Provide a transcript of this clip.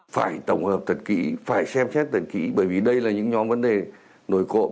phải tổng hợp thật kỹ phải xem xét thật kỹ bởi vì đây là những nhóm vấn đề nổi cộ